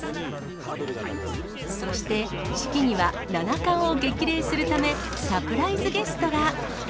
そして、式には七冠を激励するため、サプライズゲストが。